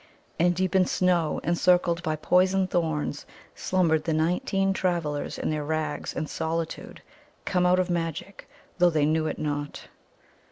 And deep in snow, encircled by poison thorns, slumbered the nineteen travellers in their rags and solitude, come out of magic, though they knew it not.